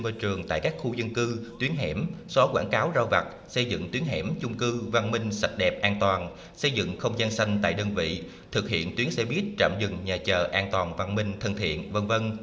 cơ trường tại các khu dân cư tuyến hẻm xóa quảng cáo rau vặt xây dựng tuyến hẻm chung cư văn minh sạch đẹp an toàn xây dựng không gian xanh tại đơn vị thực hiện tuyến xe buýt trạm dừng nhà chờ an toàn văn minh thân thiện v v